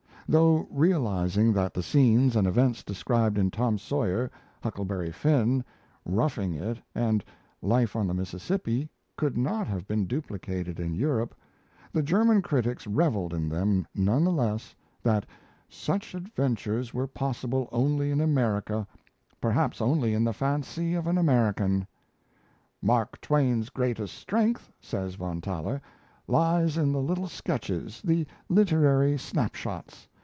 Though realizing that the scenes and events described in 'Tom Sawyer', 'Huckleberry Finn', 'Roughing It', and 'Life on the Mississippi' could not have been duplicated in Europe, the German critics revelled in them none the less that "such adventures were possible only in America perhaps only in the fancy of an American!" "Mark Twain's greatest strength," says Von Thaler, "lies in the little sketches, the literary snap shots.